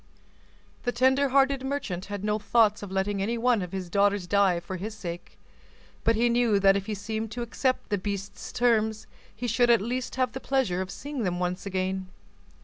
The tender hearted merchant had no thoughts of letting any one of his daughters die for his sake; but he knew that if he seemed to accept the beast's terms, he should at least have the pleasure of seeing them once again.